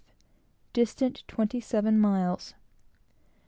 distant twenty seven miles.